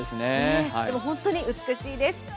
でも本当に美しいです。